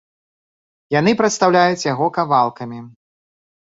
Яны прадстаўляюць яго кавалкамі.